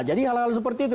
jadi hal hal seperti itu